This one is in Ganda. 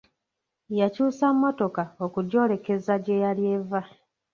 Yakyusa mmotoka okugyolekeza gye yali eva.